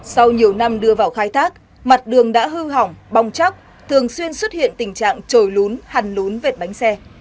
sau nhiều năm đưa vào khai thác mặt đường đã hư hỏng bong chắc thường xuyên xuất hiện tình trạng trồi lún hằn lún vệt bánh xe